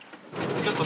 ちょっと。